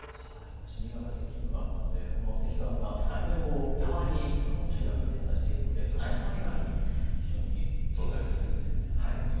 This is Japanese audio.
私は、新潟県の勤務があったので関川村、山あいに集落が点在しているので土砂災害に警戒が必要ですよね。